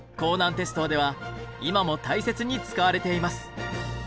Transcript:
鉄道では今も大切に使われています。